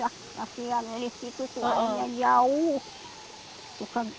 kasian di situ jauh